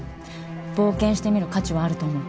冒険してみる価値はあると思う。